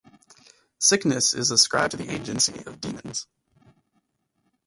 Sickness is ascribed to the agency of demons.